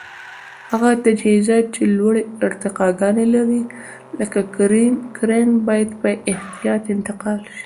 هغه تجهیزات چې لوړې ارتفاګانې لري لکه کرېن باید په احتیاط انتقال شي.